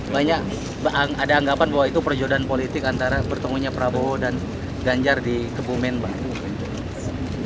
banyak ada anggapan bahwa itu perjodohan politik antara bertemunya prabowo dan ganjar di kebumen pak